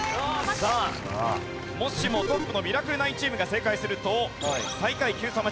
さあもしもトップのミラクル９チームが正解すると最下位Ｑさま！！